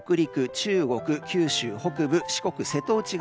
中国、九州北部四国、瀬戸内側